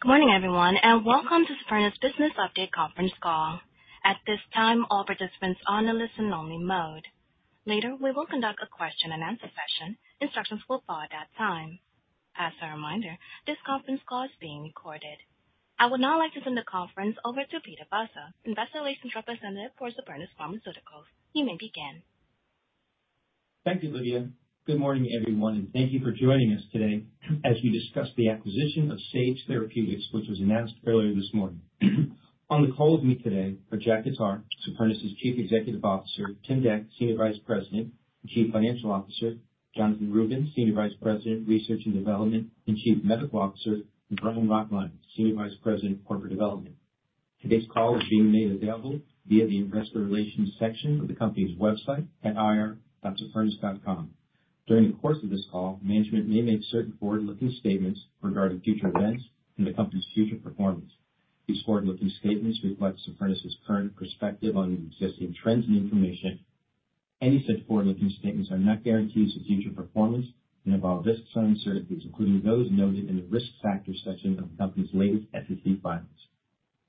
Good morning, everyone, and welcome to Supernus Business Update conference call. At this time, all participants are on a listen-only mode. Later, we will conduct a question-and-answer session. Instructions will follow at that time. As a reminder, this conference call is being recorded. I would now like to turn the conference over to Peter Vozzo, Investor Relations Representative for Supernus Pharmaceuticals. You may begin. Thank you, Lydia. Good morning, everyone, and thank you for joining us today as we discuss the acquisition of Sage Therapeutics, which was announced earlier this morning. On the call with me today are Jack Khattar, Supernus' Chief Executive Officer, Tim Dec, Senior Vice President and Chief Financial Officer, Jonathan Rubin, Senior Vice President, Research and Development and Chief Medical Officer, and Brian Roecklein, Senior Vice President, Corporate Development. Today's call is being made available via the investor relations section of the company's website at ir.supernus.com. During the course of this call, management may make certain forward-looking statements regarding future events and the company's future performance. These forward-looking statements reflect Supernus' current perspective on existing trends and information. Any such forward-looking statements are not guarantees of future performance and involve risks or uncertainties, including those noted in the risk factor section of the company's latest SEC filings.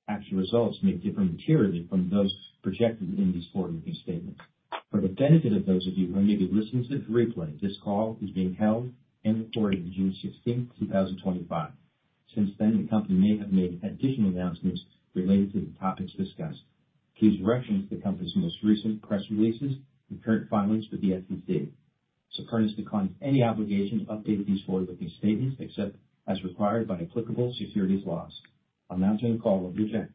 Actual results may differ materially from those projected in these forward-looking statements. For the benefit of those of you who may be listening to this replay, this call is being held and recorded on June 16th, 2025. Since then, the company may have made additional announcements related to the topics discussed. Please reference the company's most recent press releases and current filings with the SEC. Supernus declines any obligation to update these forward-looking statements except as required by applicable securities laws. I'll now turn the call over to Jack.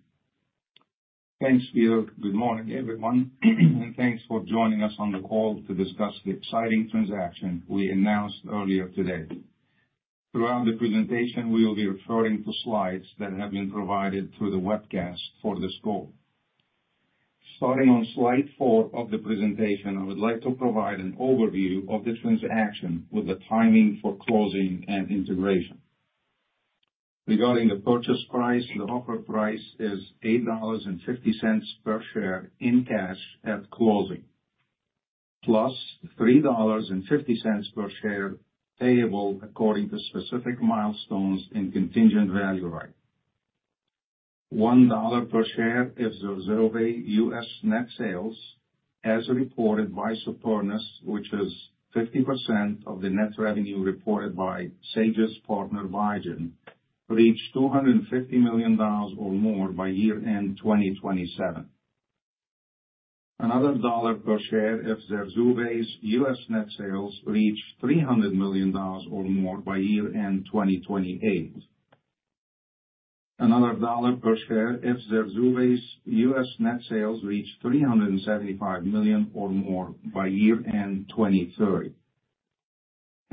Thanks, Peter. Good morning, everyone, and thanks for joining us on the call to discuss the exciting transaction we announced earlier today. Throughout the presentation, we will be referring to slides that have been provided through the webcast for this call. Starting on slide four of the presentation, I would like to provide an overview of the transaction with the timing for closing and integration. Regarding the purchase price, the offer price is $8.50 per share in cash at closing, plus $3.50 per share payable according to specific milestones in contingent value right. $1 per share is the Zurzuvae's U.S. net sales, as reported by Supernus, which is 50% of the net revenue reported by Sage's partner, Biogen, reached $250 million or more by year-end 2027. Another $1 per share if Zurzuvae's U.S. net sales reach $300 million or more by year-end 2028. Another dollar per share if Zurzuvae's U.S. net sales reach $375 million or more by year-end 2030.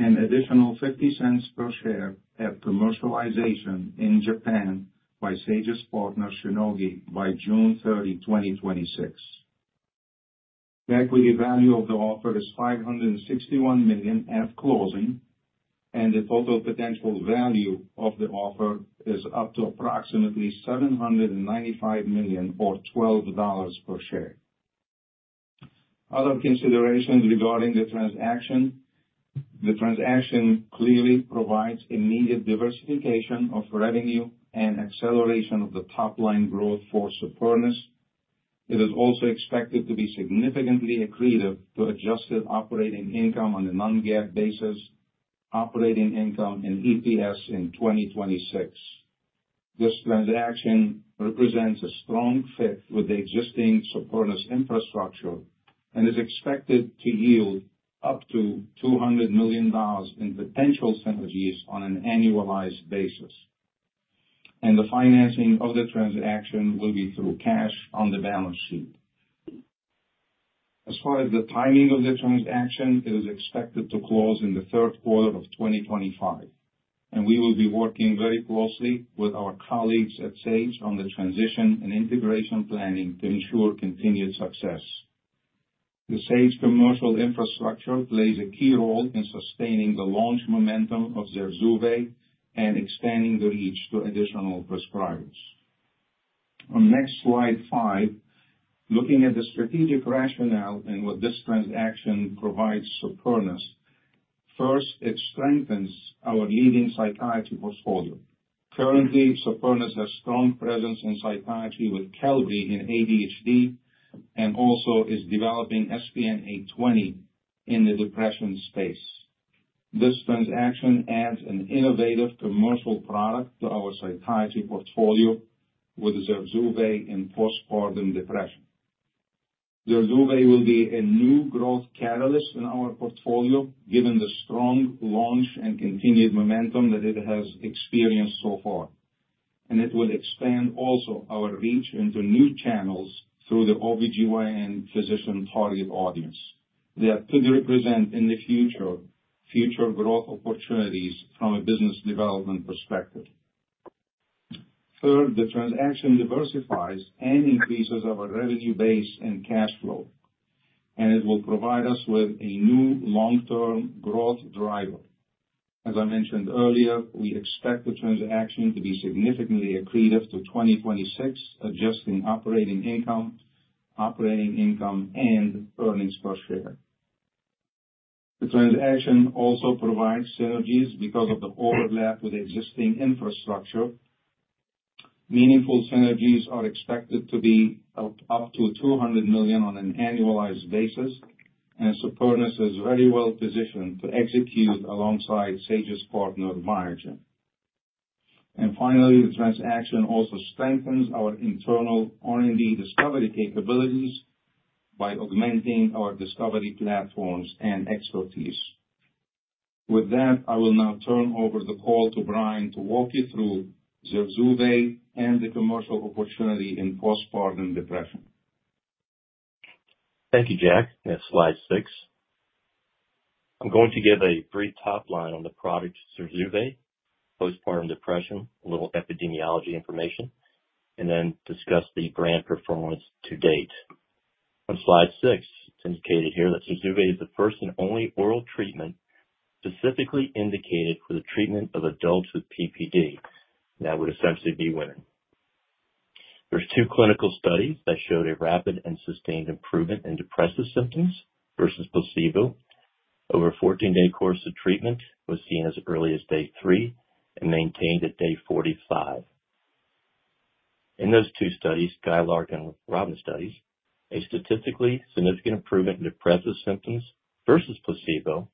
An additional $0.50 per share at commercialization in Japan by Sage's partner, Shionogi, by June 30, 2026. The equity value of the offer is $561 million at closing, and the total potential value of the offer is up to approximately $795 million, or $12 per share. Other considerations regarding the transaction: the transaction clearly provides immediate diversification of revenue and acceleration of the top-line growth for Supernus. It is also expected to be significantly accretive to adjusted operating income on a non-GAAP basis, operating income in EPS in 2026. This transaction represents a strong fit with the existing Supernus infrastructure and is expected to yield up to $200 million in potential synergies on an annualized basis. The financing of the transaction will be through cash on the balance sheet. As far as the timing of the transaction, it is expected to close in the third quarter of 2025, and we will be working very closely with our colleagues at Sage on the transition and integration planning to ensure continued success. The Sage commercial infrastructure plays a key role in sustaining the launch momentum of Zurzuvae and expanding the reach to additional prescribers. On next slide five, looking at the strategic rationale and what this transaction provides Supernus, first, it strengthens our leading psychiatry portfolio. Currently, Supernus has a strong presence in psychiatry with Qelbree in ADHD and also is developing SPN-820 in the depression space. This transaction adds an innovative commercial product to our psychiatry portfolio with Zurzuvae in postpartum depression. Zurzuvae will be a new growth catalyst in our portfolio given the strong launch and continued momentum that it has experienced so far, and it will expand also our reach into new channels through the OB-GYN physician target audience. That could represent in the future growth opportunities from a business development perspective. Third, the transaction diversifies and increases our revenue base and cash flow, and it will provide us with a new long-term growth driver. As I mentioned earlier, we expect the transaction to be significantly accretive to 2026, adjusting operating income and earnings per share. The transaction also provides synergies because of the overlap with existing infrastructure. Meaningful synergies are expected to be up to $200 million on an annualized basis, and Supernus is very well positioned to execute alongside Sage's partner, Biogen. The transaction also strengthens our internal R&D discovery capabilities by augmenting our discovery platforms and expertise. With that, I will now turn over the call to Brian to walk you through Zurzuvae and the commercial opportunity in postpartum depression. Thank you, Jack. Next slide six. I'm going to give a brief top line on the product Zurzuvae: postpartum depression, a little epidemiology information, and then discuss the brand performance to date. On slide six, it's indicated here that Zurzuvae is the first and only oral treatment specifically indicated for the treatment of adults with PPD, and that would essentially be women. There are two clinical studies that showed a rapid and sustained improvement in depressive symptoms versus placebo. Over a 14-day course of treatment was seen as early as day three and maintained at day 45. In those two studies, SKYLARK and ROBIN studies, a statistically significant improvement in depressive symptoms versus placebo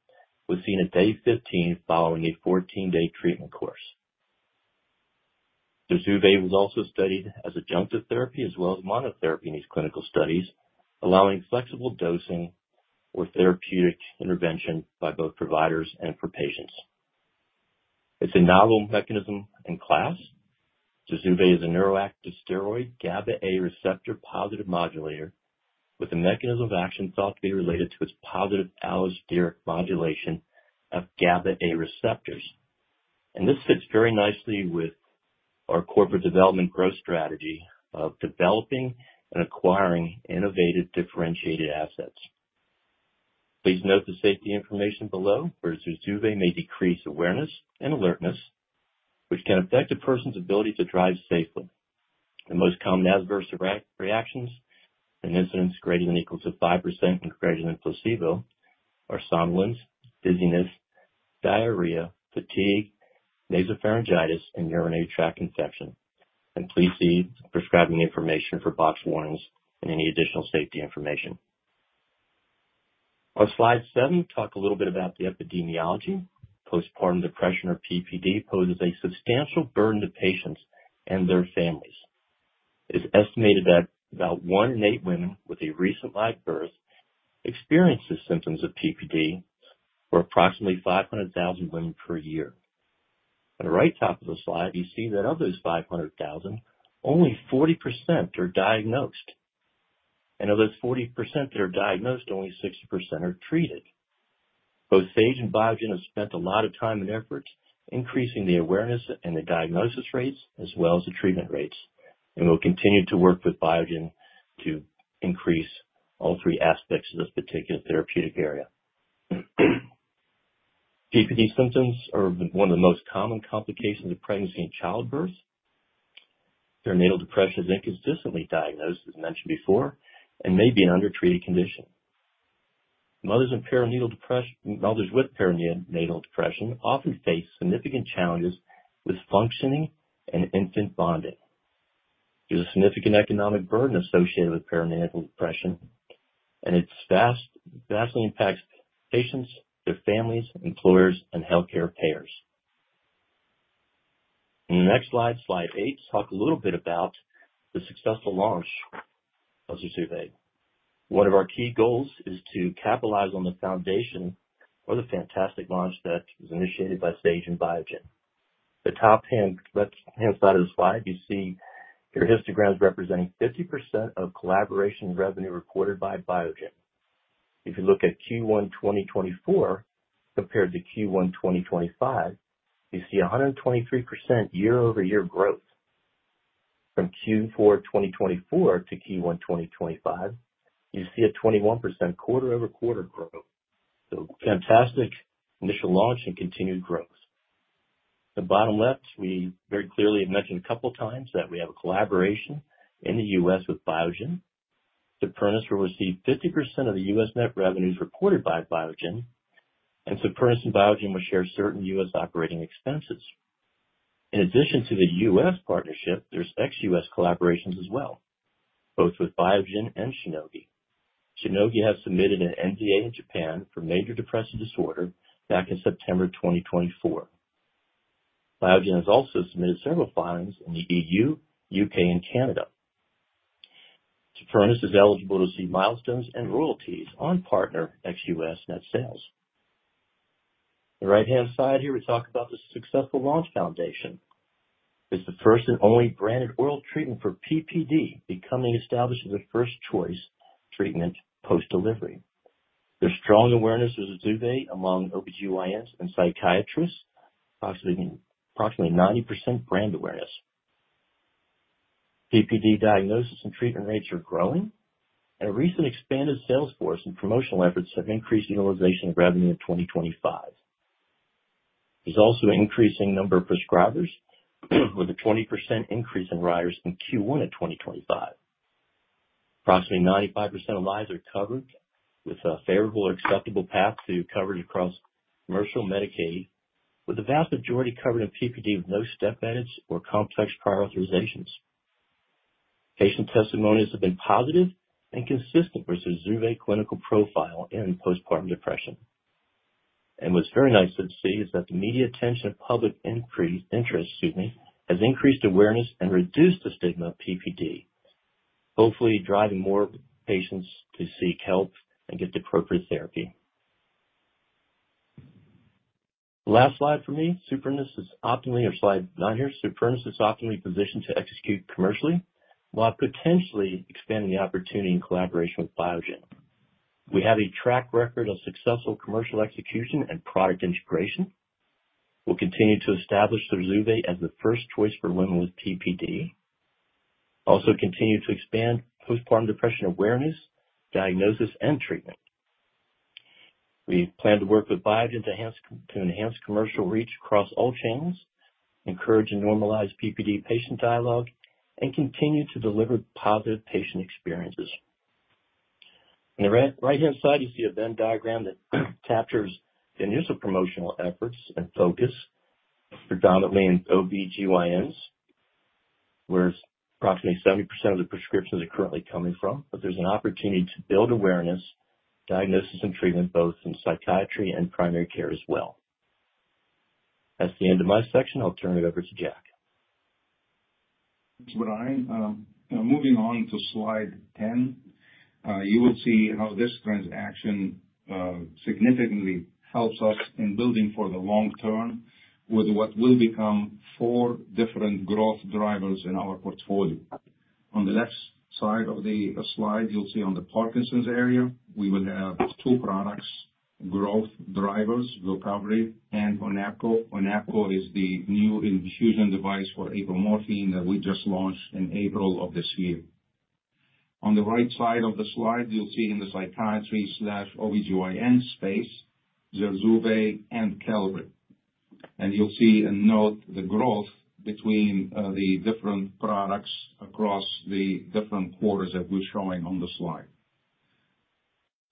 was seen at day 15 following a 14-day treatment course. Zurzuvae was also studied as adjunctive therapy as well as monotherapy in these clinical studies, allowing flexible dosing or therapeutic intervention by both providers and for patients. It's a novel mechanism and class. Zurzuvae is a neuroactive steroid GABA A receptor positive modulator with a mechanism of action thought to be related to its positive allosteric modulation of GABA A receptors. This fits very nicely with our corporate development growth strategy of developing and acquiring innovative differentiated assets. Please note the safety information below where Zurzuvae may decrease awareness and alertness, which can affect a person's ability to drive safely. The most common adverse reactions and incidents greater than or equal to 5% and greater than placebo are somnolence, dizziness, diarrhea, fatigue, nasopharyngitis, and urinary tract infection. Please see the prescribing information for box warnings and any additional safety information. On slide seven, talk a little bit about the epidemiology. Postpartum depression or PPD poses a substantial burden to patients and their families. It's estimated that about one in eight women with a recent live birth experiences symptoms of PPD, or approximately 500,000 women per year. On the right top of the slide, you see that of those 500,000, only 40% are diagnosed. Of those 40% that are diagnosed, only 60% are treated. Both Sage and Biogen have spent a lot of time and effort increasing the awareness and the diagnosis rates as well as the treatment rates, and we will continue to work with Biogen to increase all three aspects of this particular therapeutic area. PPD symptoms are one of the most common complications of pregnancy and childbirth. Perinatal depression is inconsistently diagnosed, as mentioned before, and may be an under-treated condition. Mothers with perinatal depression often face significant challenges with functioning and infant bonding. There's a significant economic burden associated with perinatal depression, and it vastly impacts patients, their families, employers, and healthcare payers. On the next slide, slide eight, talk a little bit about the successful launch of Zurzuvae. One of our key goals is to capitalize on the foundation for the fantastic launch that was initiated by Sage and Biogen. The top hand side of the slide, you see your histograms representing 50% of collaboration revenue reported by Biogen. If you look at Q1 2024 compared to Q1 2025, you see 123% year-over-year growth. From Q4 2024-Q1 2025, you see a 21% quarter-over-quarter growth. Fantastic initial launch and continued growth. The bottom left, we very clearly have mentioned a couple of times that we have a collaboration in the U.S. with Biogen. Supernus will receive 50% of the U.S. net revenues reported by Biogen, and Supernus and Biogen will share certain U.S. operating expenses. In addition to the U.S. partnership, there's ex-U.S. collaborations as well, both with Biogen and Shionogi. Shionogi has submitted an NDA in Japan for major depressive disorder back in September 2024. Biogen has also submitted several filings in the EU, U.K., and Canada. Supernus is eligible to see milestones and royalties on partner ex-U.S. net sales. The right-hand side here, we talk about the successful launch foundation. It's the first and only branded oral treatment for PPD becoming established as a first choice treatment post-delivery. There's strong awareness of Zurzuvae among OB-GYNs and psychiatrists, approximately 90% brand awareness. PPD diagnosis and treatment rates are growing, and a recent expanded sales force and promotional efforts have increased utilization of revenue in 2025. There's also an increasing number of prescribers with a 20% increase in writers in Q1 of 2025. Approximately 95% of lives are covered with a favorable or acceptable path to coverage across commercial Medicaid, with the vast majority covered in PPD with no step edits or complex prior authorizations. Patient testimonies have been positive and consistent with Zurzuvae clinical profile in postpartum depression. What's very nice to see is that the media attention and public interest has increased awareness and reduced the stigma of PPD, hopefully driving more patients to seek help and get the appropriate therapy. Last slide for me. Supernus is optimally—slide nine here—Supernus is optimally positioned to execute commercially while potentially expanding the opportunity in collaboration with Biogen. We have a track record of successful commercial execution and product integration. We'll continue to establish Zurzuvae as the first choice for women with PPD. Also continue to expand postpartum depression awareness, diagnosis, and treatment. We plan to work with Biogen to enhance commercial reach across all channels, encourage and normalize PPD patient dialogue, and continue to deliver positive patient experiences. On the right-hand side, you see a Venn diagram that captures the initial promotional efforts and focus, predominantly in OB-GYNs, where approximately 70% of the prescriptions are currently coming from, but there's an opportunity to build awareness, diagnosis, and treatment both in psychiatry and primary care as well. That's the end of my section. I'll turn it over to Jack. Thanks, Brian. Moving on to slide 10, you will see how this transaction significantly helps us in building for the long term with what will become four different growth drivers in our portfolio. On the left side of the slide, you'll see on the Parkinson's area, we will have two products: growth drivers, Apokyn and Onaco. Onaco is the new infusion device for apomorphine that we just launched in April of this year. On the right side of the slide, you'll see in the psychiatry/OB-GYN space, Zurzuvae and Qelbree. And you'll see a note of the growth between the different products across the different quarters that we're showing on the slide.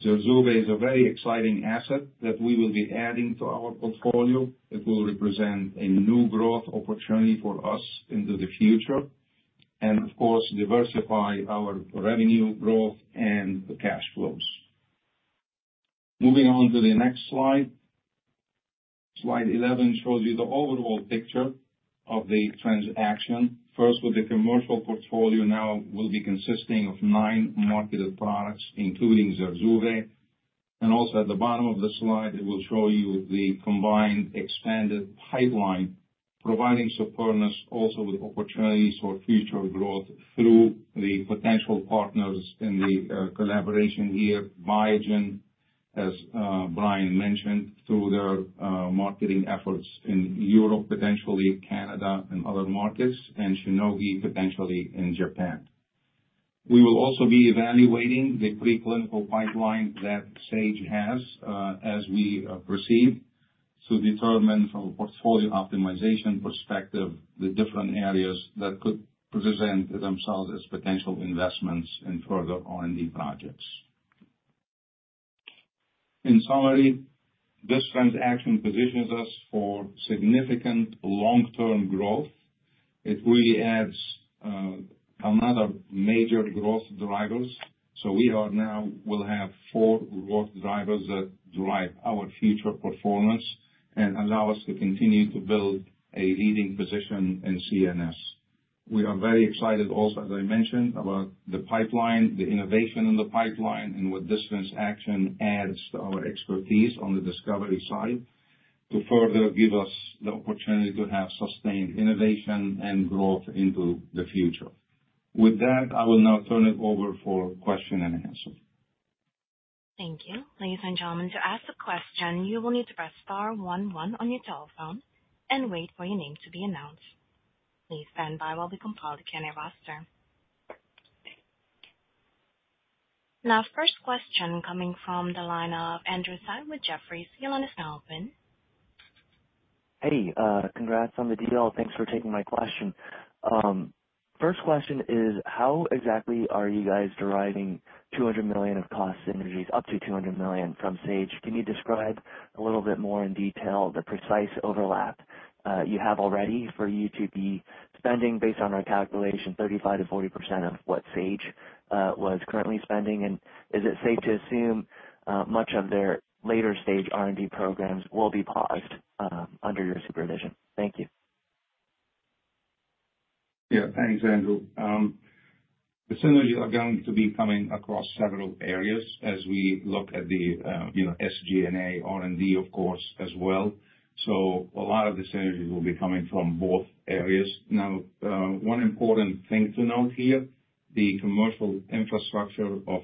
Zurzuvae is a very exciting asset that we will be adding to our portfolio. It will represent a new growth opportunity for us into the future and, of course, diversify our revenue growth and the cash flows. Moving on to the next slide. Slide 11 shows you the overall picture of the transaction. First, with the commercial portfolio now will be consisting of nine marketed products, including Zurzuvae. Also at the bottom of the slide, it will show you the combined expanded pipeline providing Supernus also with opportunities for future growth through the potential partners in the collaboration here, Biogen, as Brian mentioned, through their marketing efforts in Europe, potentially Canada and other markets, and Shionogi, potentially in Japan. We will also be evaluating the preclinical pipeline that Sage has as we proceed to determine from a portfolio optimization perspective the different areas that could present themselves as potential investments in further R&D projects. In summary, this transaction positions us for significant long-term growth. It really adds another major growth drivers. We now will have four growth drivers that drive our future performance and allow us to continue to build a leading position in CNS. We are very excited also, as I mentioned, about the pipeline, the innovation in the pipeline, and what this transaction adds to our expertise on the discovery side to further give us the opportunity to have sustained innovation and growth into the future. With that, I will now turn it over for question and answer. Thank you. Please enter on. To ask the question, you will need to press *11 on your telephone and wait for your name to be announced. Please stand by while we compile the candidate roster. Now, first question coming from the line of Andrew Tsai with Jefferies. Your line is now open. Hey, congrats on the deal. Thanks for taking my question. First question is, how exactly are you guys deriving $200 million of cost synergies, up to $200 million, from Sage? Can you describe a little bit more in detail the precise overlap you have already for you to be spending, based on our calculation, 35%-40% of what Sage was currently spending? Is it safe to assume much of their later-stage R&D programs will be paused under your supervision? Thank you. Yeah, thanks, Andrew. The synergies are going to be coming across several areas as we look at the SG&A, R&D, of course, as well. A lot of the synergies will be coming from both areas. Now, one important thing to note here, the commercial infrastructure of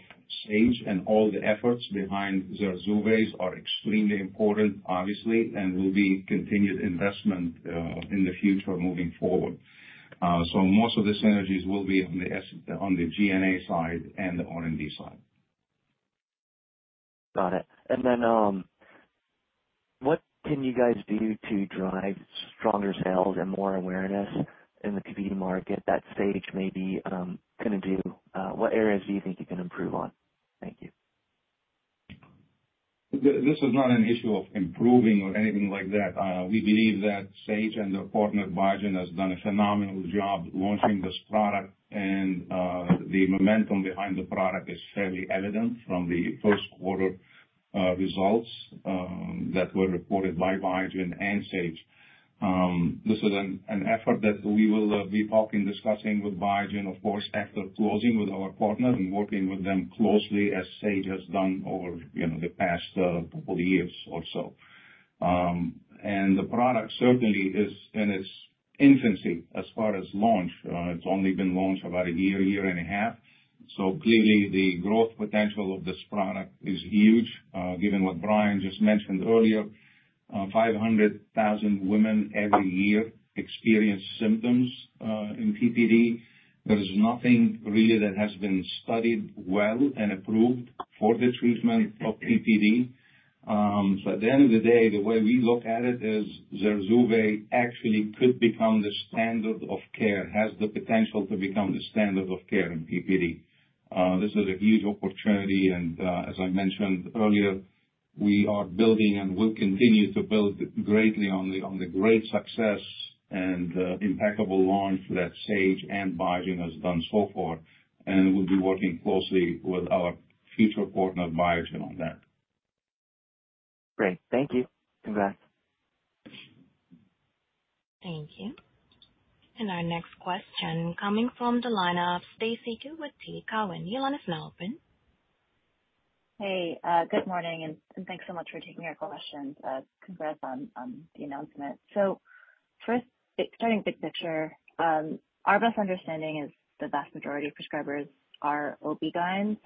Sage and all the efforts behind Zurzuvae are extremely important, obviously, and will be continued investment in the future moving forward. Most of the synergies will be on the G&A side and the R&D side. Got it. What can you guys do to drive stronger sales and more awareness in the PPD market that Sage may be going to do? What areas do you think you can improve on? Thank you. This is not an issue of improving or anything like that. We believe that Sage and their partner Biogen has done a phenomenal job launching this product, and the momentum behind the product is fairly evident from the first quarter results that were reported by Biogen and Sage. This is an effort that we will be talking, discussing with Biogen, of course, after closing with our partner and working with them closely as Sage has done over the past couple of years or so. The product certainly is in its infancy as far as launch. It's only been launched about a year, year and a 1/2. Clearly, the growth potential of this product is huge, given what Brian just mentioned earlier. 500,000 women every year experience symptoms in PPD. There is nothing really that has been studied well and approved for the treatment of PPD. At the end of the day, the way we look at it is Zurzuvae actually could become the standard of care, has the potential to become the standard of care in PPD. This is a huge opportunity. As I mentioned earlier, we are building and will continue to build greatly on the great success and impeccable launch that Sage and Biogen have done so far. We will be working closely with our future partner, Biogen, on that. Great. Thank you. Congrats. Thank you. Our next question coming from the line of Stacy Ku with the Cowen. Your line is now open. Hey, good morning. Thanks so much for taking our questions. Congrats on the announcement. First, starting big picture, our best understanding is the vast majority of prescribers are OB-GYNs.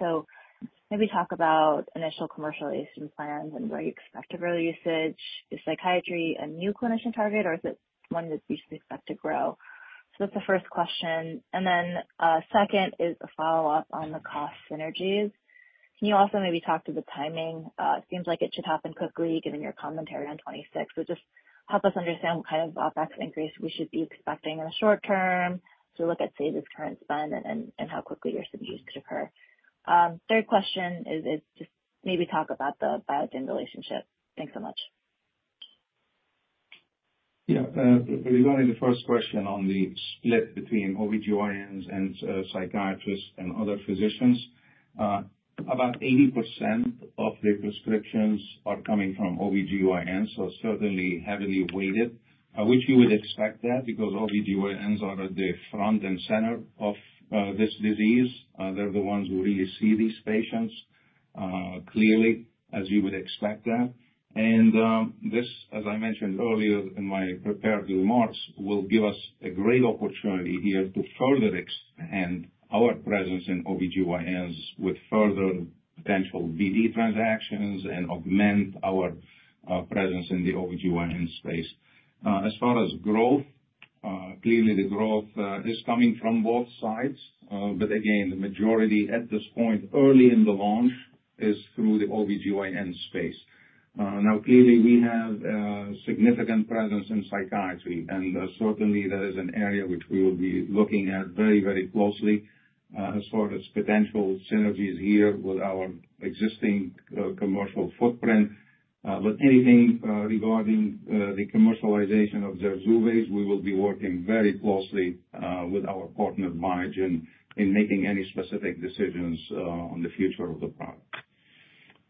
Maybe talk about initial commercialization plans and where you expect to grow usage. Is psychiatry a new clinician target, or is it one that you expect to grow? That's the first question. The second is a follow-up on the cost synergies. Can you also maybe talk to the timing? It seems like it should happen quickly, given your commentary on 2026. Just help us understand what kind of OpEx increase we should be expecting in the short term to look at Sage's current spend and how quickly your synergies could occur? Third question is just maybe talk about the Biogen relationship. Thanks so much. Yeah. Regarding the first question on the split between OB-GYNs and psychiatrists and other physicians, about 80% of the prescriptions are coming from OB-GYNs, so certainly heavily weighted. You would expect that because OB-GYNs are at the front and center of this disease. They're the ones who really see these patients clearly, as you would expect that. This, as I mentioned earlier in my prepared remarks, will give us a great opportunity here to further expand our presence in OB-GYNs with further potential BD transactions and augment our presence in the OB-GYN space. As far as growth, clearly the growth is coming from both sides. Again, the majority at this point, early in the launch, is through the OB-GYN space. Now, clearly, we have a significant presence in psychiatry. That is an area which we will be looking at very, very closely as far as potential synergies here with our existing commercial footprint. Anything regarding the commercialization of Zurzuvae, we will be working very closely with our partner Biogen in making any specific decisions on the future of the product.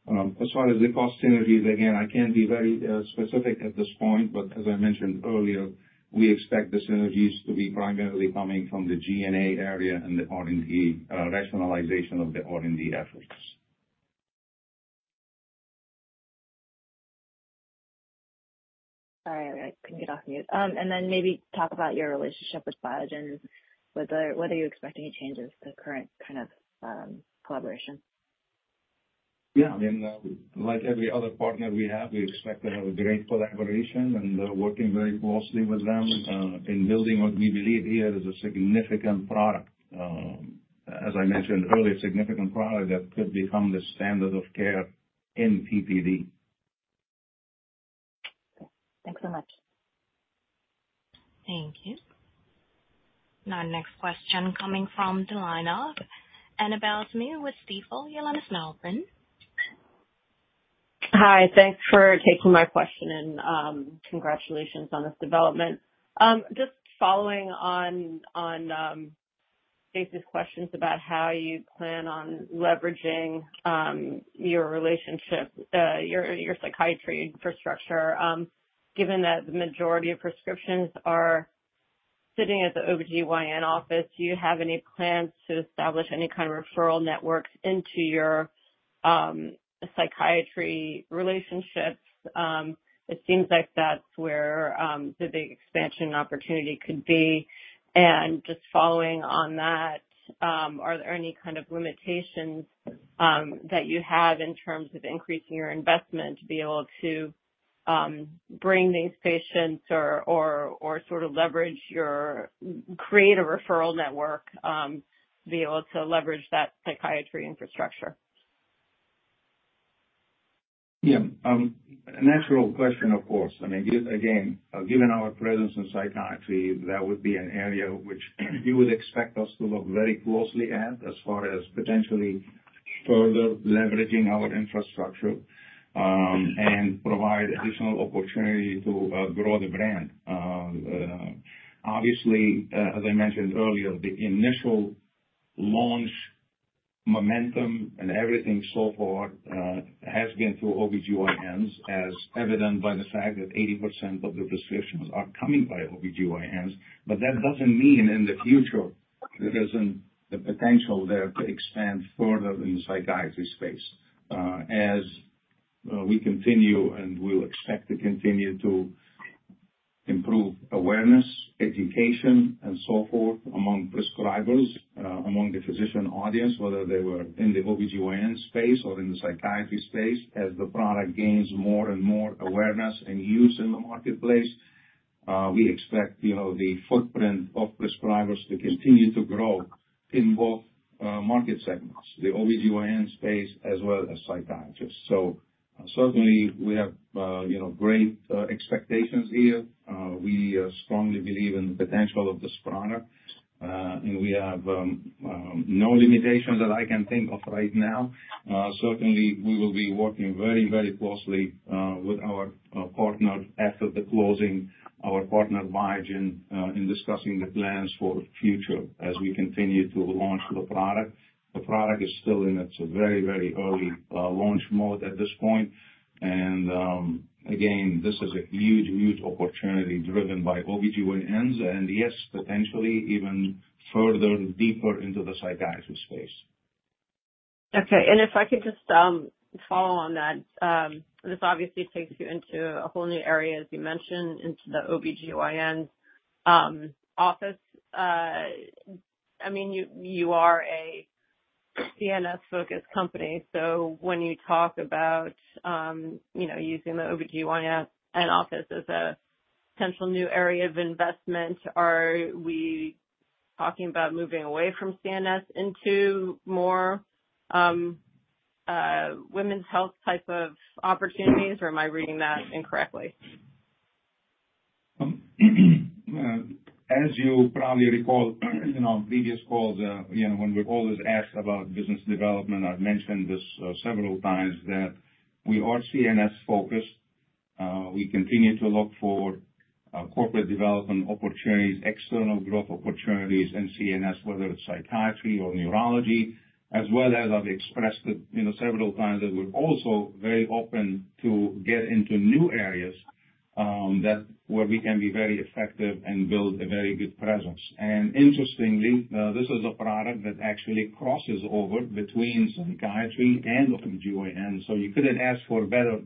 As far as the cost synergies, again, I cannot be very specific at this point, but as I mentioned earlier, we expect the synergies to be primarily coming from the G&A area and the R&D rationalization of the R&D efforts. Sorry, I couldn't get off mute. Maybe talk about your relationship with Biogen, whether you expect any changes to current kind of collaboration. Yeah. I mean, like every other partner we have, we expect to have a great collaboration and working very closely with them in building what we believe here is a significant product. As I mentioned earlier, a significant product that could become the standard of care in PPD. Thanks so much. Thank you. Now, next question coming from the line of Annabelle Samimy with Stifel, Your line is open. Hi. Thanks for taking my question and congratulations on this development. Just following on Stacy's questions about how you plan on leveraging your relationship, your psychiatry infrastructure, given that the majority of prescriptions are sitting at the OB-GYN office, do you have any plans to establish any kind of referral networks into your psychiatry relationships? It seems like that's where the big expansion opportunity could be. Just following on that, are there any kind of limitations that you have in terms of increasing your investment to be able to bring these patients or sort of create a referral network to be able to leverage that psychiatry infrastructure? Yeah. Natural question, of course. I mean, again, given our presence in psychiatry, that would be an area which you would expect us to look very closely at as far as potentially further leveraging our infrastructure and provide additional opportunity to grow the brand. Obviously, as I mentioned earlier, the initial launch momentum and everything so far has been through OB-GYNs, as evident by the fact that 80% of the prescriptions are coming by OB-GYNs. That does not mean in the future there is not the potential there to expand further in the psychiatry space as we continue and we will expect to continue to improve awareness, education, and so forth among prescribers, among the physician audience, whether they were in the OB-GYN space or in the psychiatry space. As the product gains more and more awareness and use in the marketplace, we expect the footprint of prescribers to continue to grow in both market segments, the OB-GYN space as well as psychiatrists. Certainly, we have great expectations here. We strongly believe in the potential of this product. We have no limitations that I can think of right now. Certainly, we will be working very, very closely with our partner after the closing, our partner Biogen, in discussing the plans for future as we continue to launch the product. The product is still in its very, very early launch mode at this point. This is a huge, huge opportunity driven by OB-GYNs and, yes, potentially even further, deeper into the psychiatry space. Okay. If I could just follow on that, this obviously takes you into a whole new area, as you mentioned, into the OB-GYN office. I mean, you are a CNS-focused company. When you talk about using the OB-GYN office as a potential new area of investment, are we talking about moving away from CNS into more women's health type of opportunities, or am I reading that incorrectly? As you probably recall, previous calls, when we're always asked about business development, I've mentioned this several times that we are CNS-focused. We continue to look for corporate development opportunities, external growth opportunities in CNS, whether it's psychiatry or neurology, as well as I've expressed it several times that we're also very open to get into new areas where we can be very effective and build a very good presence. Interestingly, this is a product that actually crosses over between psychiatry and OB-GYN. You couldn't ask for a better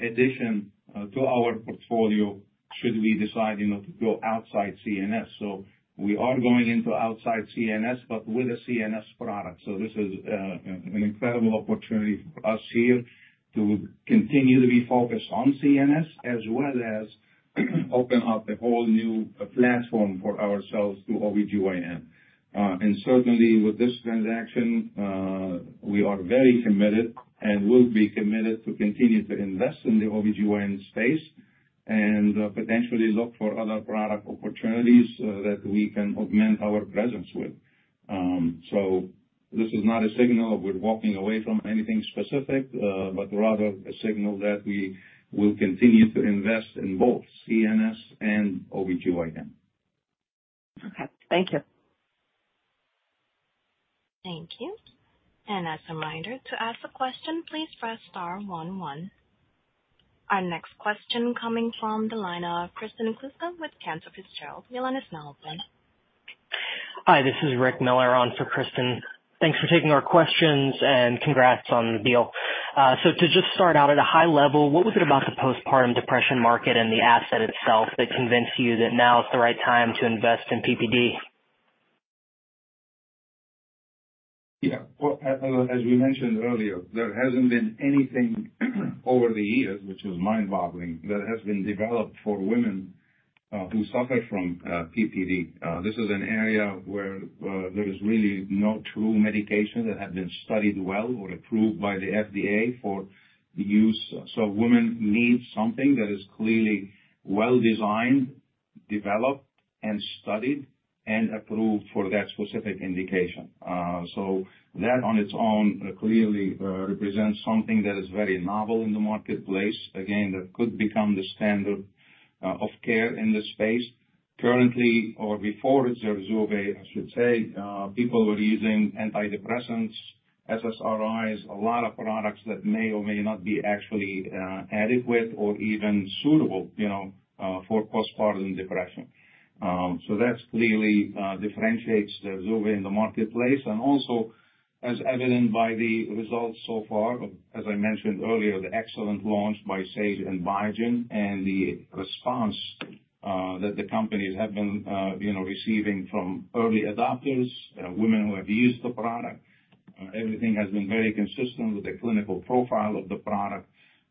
addition to our portfolio should we decide to go outside CNS. We are going into outside CNS, but with a CNS product. This is an incredible opportunity for us here to continue to be focused on CNS, as well as open up a whole new platform for ourselves through OB-GYN. Certainly, with this transaction, we are very committed and will be committed to continue to invest in the OB-GYN space and potentially look for other product opportunities that we can augment our presence with. This is not a signal of we're walking away from anything specific, but rather a signal that we will continue to invest in both CNS and OB-GYN. Okay. Thank you. Thank you. As a reminder, to ask a question, please press *11. Our next question coming from the line of Kristen Kluska with Cantor Fitzgerald, Your line is now open. Hi, this is Rick Miller, on for Kristen. Thanks for taking our questions and congrats on the deal. To just start out at a high level, what was it about the postpartum depression market and the asset itself that convinced you that now is the right time to invest in PPD? Yeah. As we mentioned earlier, there hasn't been anything over the years, which is mind-boggling, that has been developed for women who suffer from PPD. This is an area where there is really no true medication that has been studied well or approved by the FDA for use. Women need something that is clearly well-designed, developed, and studied, and approved for that specific indication. That on its own clearly represents something that is very novel in the marketplace, again, that could become the standard of care in this space. Currently, or before Zurzuvae, I should say, people were using antidepressants, SSRIs, a lot of products that may or may not be actually adequate or even suitable for postpartum depression. That clearly differentiates Zurzuvae in the marketplace. Also, as evident by the results so far, as I mentioned earlier, the excellent launch by Sage and Biogen and the response that the companies have been receiving from early adopters, women who have used the product, everything has been very consistent with the clinical profile of the product.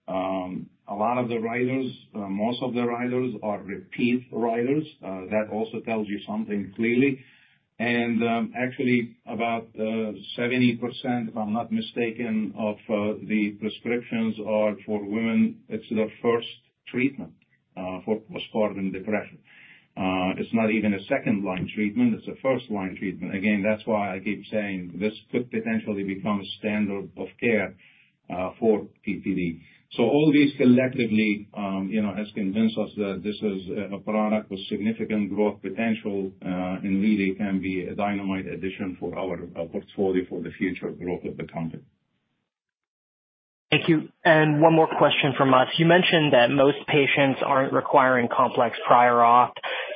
A lot of the riders, most of the riders are repeat riders. That also tells you something clearly. Actually, about 70%, if I'm not mistaken, of the prescriptions are for women. It's the first treatment for postpartum depression. It's not even a second-line treatment. It's a first-line treatment. Again, that's why I keep saying this could potentially become a standard of care for PPD. All these collectively have convinced us that this is a product with significant growth potential and really can be a dynamite addition for our portfolio for the future growth of the company. Thank you. And one more question from us. You mentioned that most patients aren't requiring complex prior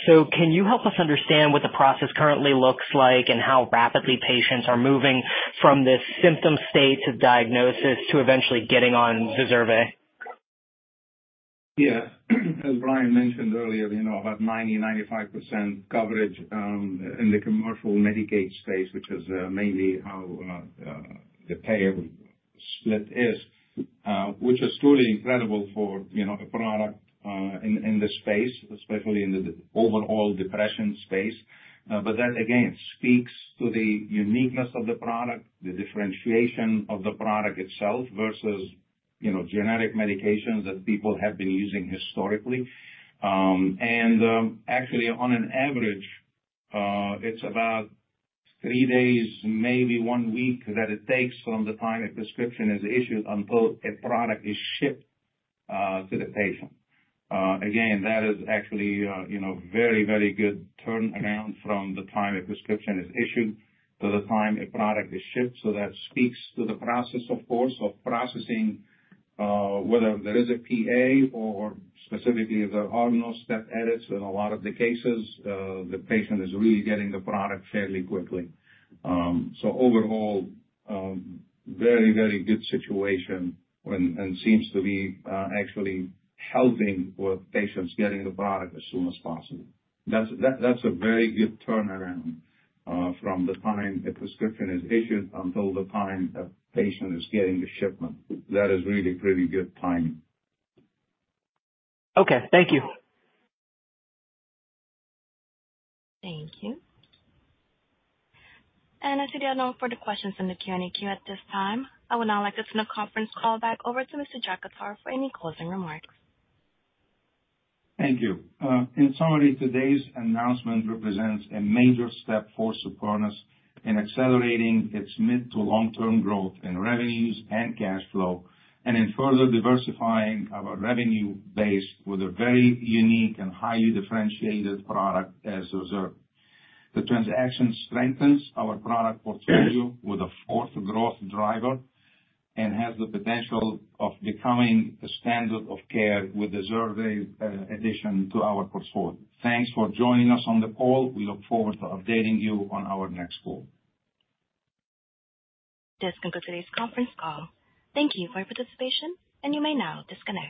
auth. Can you help us understand what the process currently looks like and how rapidly patients are moving from this symptom state to diagnosis to eventually getting on Zurzuvae? Yeah. As Brian mentioned earlier, about 90%-95% coverage in the commercial Medicaid space, which is mainly how the payer split is, which is truly incredible for a product in this space, especially in the overall depression space. That, again, speaks to the uniqueness of the product, the differentiation of the product itself versus generic medications that people have been using historically. Actually, on an average, it's about three days, maybe one week, that it takes from the time a prescription is issued until a product is shipped to the patient. Again, that is actually a very, very good turnaround from the time a prescription is issued to the time a product is shipped. That speaks to the process, of course, of processing, whether there is a PA or specifically there are no step edits. In a lot of the cases, the patient is really getting the product fairly quickly. Overall, very, very good situation and seems to be actually helping with patients getting the product as soon as possible. That is a very good turnaround from the time a prescription is issued until the time a patient is getting the shipment. That is really pretty good timing. Okay. Thank you. Thank you. As we get no further questions from the Q&A queue at this time, I would now like to turn the conference call back over to Mr. Khattar for any closing remarks. Thank you. In summary, today's announcement represents a major step forward for us in accelerating its mid to long-term growth in revenues and cash flow and in further diversifying our revenue base with a very unique and highly differentiated product as Zurzuvae. The transaction strengthens our product portfolio with a fourth growth driver and has the potential of becoming a standard of care with the Zurzuvae addition to our portfolio. Thanks for joining us on the call. We look forward to updating you on our next call. This concludes today's conference call. Thank you for your participation, and you may now disconnect.